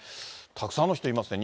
たくさんの人いますね。